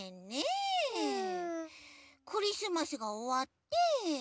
クリスマスがおわって。